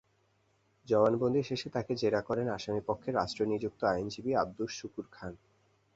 জবানবন্দি শেষে তাঁকে জেরা করেন আসামিপক্ষে রাষ্ট্রনিযুক্ত আইনজীবী আবদুস শুকুর খান।